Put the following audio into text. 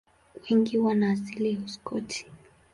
Wengi wana asili ya Uskoti.